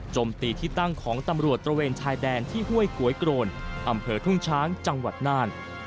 จมตีที่ตั้งของตำรวจตระเวนชายแดนที่ห้วยก๋วยโกรนอำเภอทุ่งช้างจังหวัดน่าน